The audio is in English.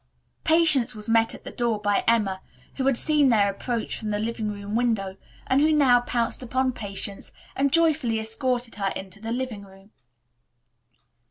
Patience was met at the door by Emma, who had seen their approach from the living room window, and who now pounced upon Patience and joyfully escorted her into the living room.